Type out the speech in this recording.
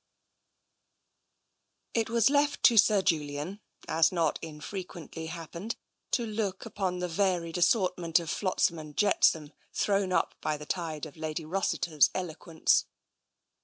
XII It was left to Sir Julian, as not infrequently hap pened, to look upon the varied assortment of flotsam and jetsam thrown up by the tide of Lady Rossiter's eloquence.